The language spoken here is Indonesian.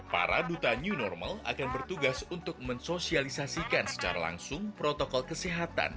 para duta new normal akan bertugas untuk mensosialisasikan secara langsung protokol kesehatan